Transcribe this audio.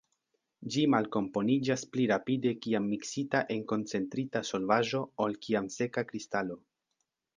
Ĝi malkomponiĝas pli rapide kiam miksita en koncentrita solvaĵo ol kiam seka kristalo.